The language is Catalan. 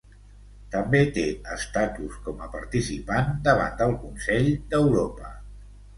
També té estatus com a participant davant del Consell d'Europa.